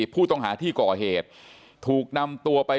ผู้ต้องหาที่ก่อเหตุถูกนำตัวไป